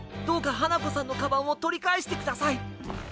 どうかはなこさんのカバンをとりかえしてください！